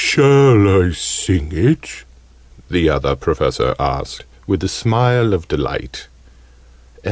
"Shall I sing it?" the Other Professor asked, with a smile of delight.